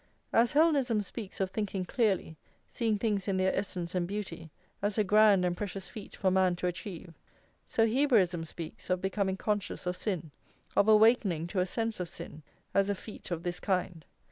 As Hellenism speaks of thinking clearly, seeing things in their essence and beauty, as a grand and precious feat for man to achieve, so Hebraism speaks of becoming conscious of sin, of awakening to a sense of sin, as a feat of this kind.